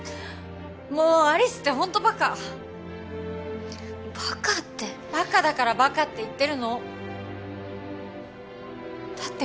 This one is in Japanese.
もう有栖ってホントバカバカってバカだからバカって言ってるのだって